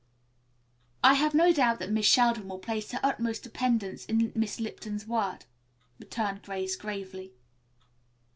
"I have no doubt that Miss Sheldon will place the utmost dependence in Miss Lipton's word," returned Grace gravely.